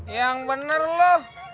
yang bener loh